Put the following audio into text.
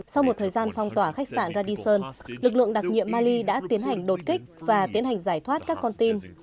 sau một thời gian phong tỏa khách sạn radison lực lượng đặc nhiệm mali đã tiến hành đột kích và tiến hành giải thoát các con tin